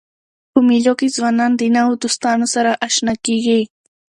په مېلو کښي ځوانان د نوو دوستانو سره اشنا کېږي.